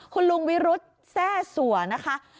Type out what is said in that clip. คุณลุงวิรุธแซ่สัวนะคะ